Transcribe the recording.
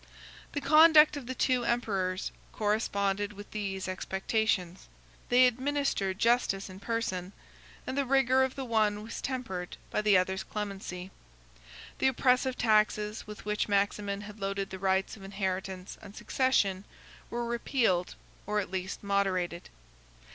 38 The conduct of the two emperors corresponded with these expectations. They administered justice in person; and the rigor of the one was tempered by the other's clemency. The oppressive taxes with which Maximin had loaded the rights of inheritance and succession, were repealed, or at least moderated.